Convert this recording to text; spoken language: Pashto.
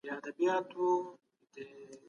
آیا د مذهبي اعتقاداتو وجود د افرادو تعامل بدلیږي؟